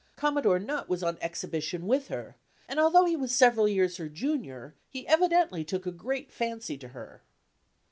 Commodore Nutt was on exhibition with her, and although he was several years her junior he evidently took a great fancy to her.